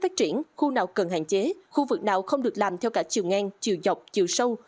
phát triển khu nào cần hạn chế khu vực nào không được làm theo cả chiều ngang chiều dọc chiều sâu